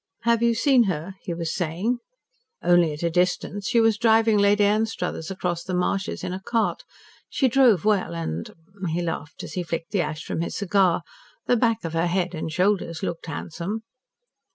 "Have you seen her?" he was saying. "Only at a distance. She was driving Lady Anstruthers across the marshes in a cart. She drove well and " he laughed as he flicked the ash from his cigar "the back of her head and shoulders looked handsome."